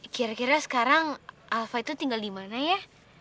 kira kira sekarang alfa itu tinggal di mana ya